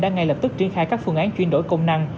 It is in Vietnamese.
đã ngay lập tức triển khai các phương án chuyển đổi công năng